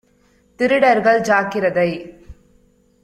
திருடர்கள் ஜாக்கிரதை